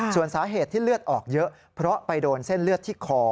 ส่วนสาเหตุที่เลือดออกเยอะเพราะไปโดนเส้นเลือดที่คอ